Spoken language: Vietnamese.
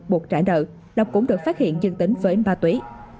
buộc trả nợ lộc cũng được phát hiện dân tính với ba tuổi